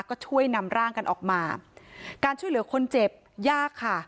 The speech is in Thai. ก็ช่วยนำร่างกันออกมาการช่วยเหลือคนเจ็บยากค่ะ